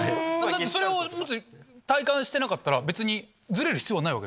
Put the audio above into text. それを体感してなかったら別にズレる必要はない？